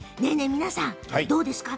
皆さん、どうですか。